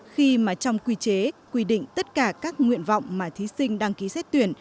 khi mà trong quy chế quy định tất cả các nguyện vọng mà thí sinh đăng ký xét tuyển